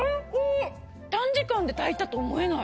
短時間で炊いたと思えない。